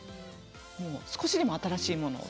少しでも新しいものを。